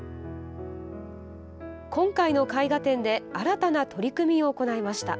今回の絵画展で新たな取り組みを行いました。